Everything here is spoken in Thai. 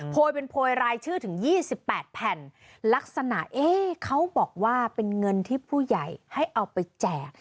เป็นโพยรายชื่อถึง๒๘แผ่นลักษณะเอ๊ะเขาบอกว่าเป็นเงินที่ผู้ใหญ่ให้เอาไปแจก